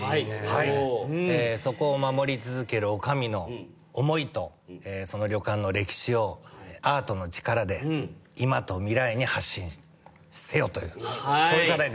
そこを守り続ける女将の思いとその旅館の歴史をアートの力で今と未来に発信せよというそういう課題です。